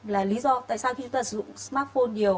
là lý do tại sao khi chúng ta sử dụng smartphone nhiều